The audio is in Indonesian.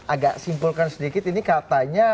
agak simpulkan sedikit ini katanya